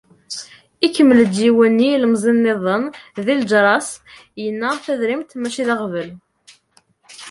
Ikemmel-d yiwen n yilemẓi-nniḍen di lǧerra-s, yenna: “Tadrimt, mačči d aɣbel”.